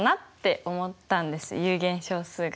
有限小数が。